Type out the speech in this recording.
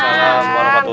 maaf pada menteri